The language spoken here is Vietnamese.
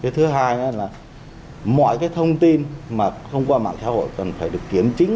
thứ hai mọi cái thông tin mà không qua mạng xã hội cần phải được kiểm chứng